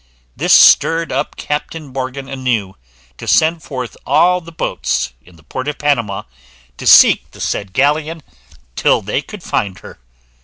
This stirred up Captain Morgan anew, to send forth all the boats in the port of Panama to seek the said galleon till they could find her.